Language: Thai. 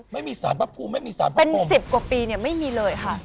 ไม่มีสารพระภูมิไม่มีสารพระภูมิเป็น๑๐กว่าปีเนี่ยไม่มีเลยค่ะ